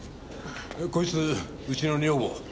こいつうちの女房。